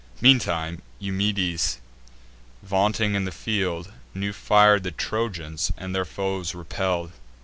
Meantime Eumedes, vaunting in the field, New fir'd the Trojans, and their foes repell'd.